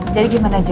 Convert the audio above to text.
jadi gimana j